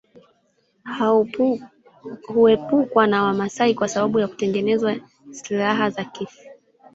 Huepukwa na Wamaasai kwa sababu ya kutengeneza silaha za kifo